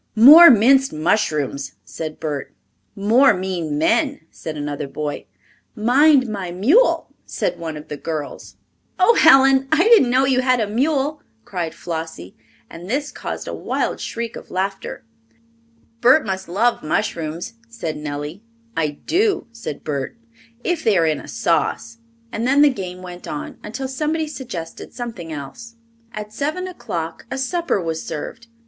"More Minced Mushrooms," said Bert. "More Mean Men," said another boy. "Mind My Mule," said one of the girls. [Illustration: AT SEVEN O'CLOCK A SUPPER WAS SERVED. P. 129.] "Oh, Helen, I didn't know you had a mule," cried Flossie, and this caused a wild shriek of laughter. "Bert must love mushrooms," said Nellie. "I do," said Bert, "if they are in a sauce." And then the game went on, until somebody suggested something else. At seven o'clock a supper was served.